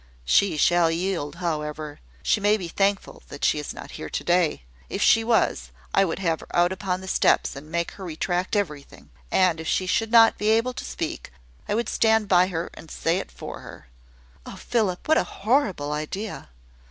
"She shall yield, however. She may be thankful that she is not here to day. If she was, I would have her out upon the steps, and make her retract everything; and if she should not be able to speak, I would stand by her and say it for her." "Oh, Philip! what a horrible idea!"